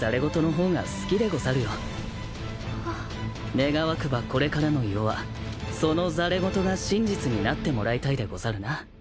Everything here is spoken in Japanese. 願わくばこれからの世はそのざれ言が真実になってもらいたいでござるな。